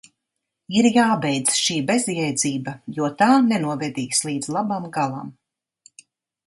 Ir jābeidz šī bezjēdzība, jo tā nenovedīs līdz labam galam!